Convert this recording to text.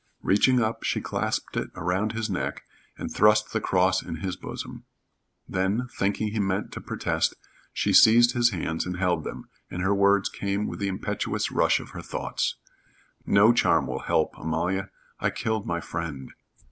Reaching up, she clasped it around his neck, and thrust the cross in his bosom. Then, thinking he meant to protest, she seized his hands and held them, and her words came with the impetuous rush of her thoughts. "No charm will help, Amalia. I killed my friend."